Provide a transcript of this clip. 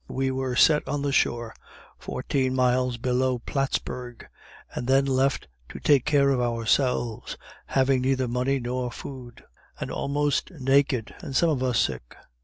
We were set on the shore fourteen miles below Plattsburg, and then left to take care of ourselves, having neither money nor food, and almost naked, and some of us sick.